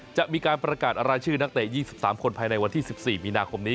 จะมีการประกาศรายชื่อนักเตะ๒๓คนภายในวันที่๑๔มีนาคมนี้